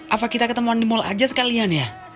apa kita ketemuan di mall aja sekalian ya